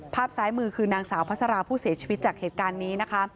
ซ้ายมือคือนางสาวพัสราผู้เสียชีวิตจากเหตุการณ์นี้นะคะ